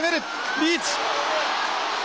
リーチ！